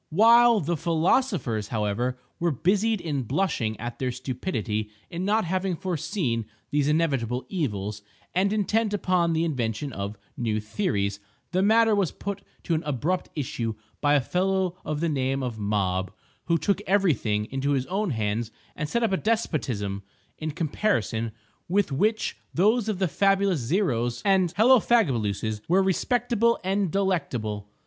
While the philosophers, however, were busied in blushing at their stupidity in not having foreseen these inevitable evils, and intent upon the invention of new theories, the matter was put to an abrupt issue by a fellow of the name of Mob, who took every thing into his own hands and set up a despotism, in comparison with which those of the fabulous Zeros and Hellofagabaluses were respectable and delectable.